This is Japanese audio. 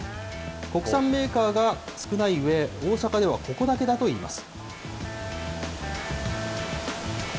国産メーカーが少ないうえ、大阪ではここだけだといいます。